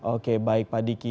oke baik pak diki